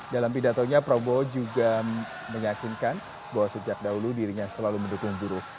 dalam pidatonya prabowo juga meyakinkan bahwa sejak dahulu dirinya selalu mendukung buruh